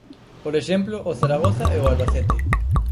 Por exemplo, o Zaragoza e o Albacete.